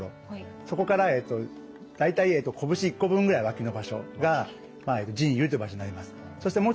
そこから大体こぶし１個分ぐらい脇の場所が腎兪という場所になります。